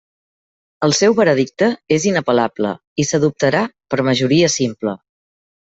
El seu veredicte és inapel·lable, i s'adoptarà per majoria simple.